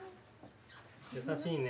優しいね。